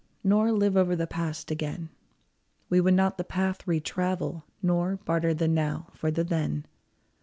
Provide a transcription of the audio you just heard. Nor live over the past again ; We would not the path re travel. Nor barter the "now " for the " then."